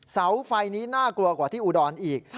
เสาไฟนี้น่ากลัวกว่าที่อุดรอีก